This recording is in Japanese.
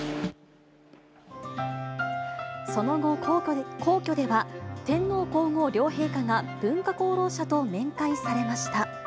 その後、皇居では、天皇皇后両陛下が文化功労者と面会されました。